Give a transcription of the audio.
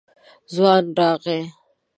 ځوان راغی.